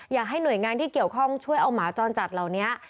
อยากให้หน่วยงานที่เกี่ยวข้องช่วยเอาหมาจรจัดเหล่านี้